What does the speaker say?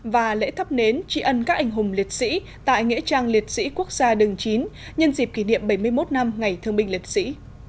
và lễ thắp nến tri ân các anh hùng liệt sĩ tại nghĩa trang liệt sĩ quốc gia đường chín nhân dịp kỷ niệm bảy mươi một năm ngày thương binh liệt sĩ